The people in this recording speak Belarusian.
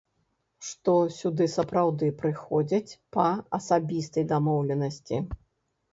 Што сюды сапраўды прыходзяць па асабістай дамоўленасці.